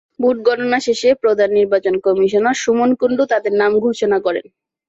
Vote গণনা শেষে প্রধান নির্বাচন কমিশনার সুমন কুণ্ডু তাঁদের নাম ঘোষণা করেন।